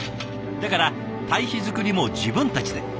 だから堆肥作りも自分たちで。